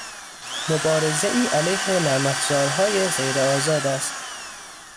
مبارزهای علیه نرمافزارهای غیر آزاد است